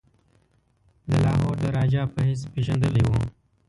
د لاهور د راجا په حیث پيژندلی وو.